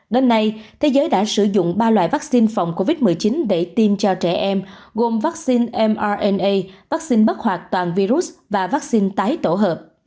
đến nay thế giới đã sử dụng ba loại vaccine phòng covid một mươi chín để tiêm cho trẻ em gồm vaccine mrna vaccine bất hoạt toàn virus và vaccine tái tổ hợp